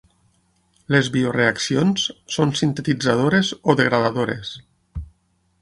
Les bioreaccions són sintetitzadores o degradadores.